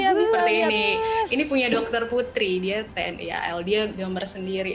jadi seperti ini ini punya dokter putri dia tni al dia gambar sendiri